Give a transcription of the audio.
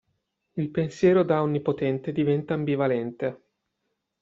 Il pensiero da onnipotente diventa ambivalente.